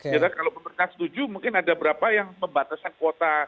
kalau pemerintah setuju mungkin ada berapa yang membatasan kuota